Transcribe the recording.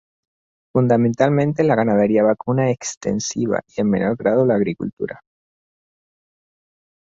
Fundamentalmente la ganadería vacuna extensiva y en menor grado la agricultura.